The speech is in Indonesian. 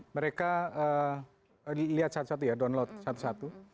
mereka dilihat satu satu ya download satu satu